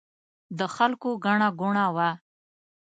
د خلکو ګڼه ګوڼه وه.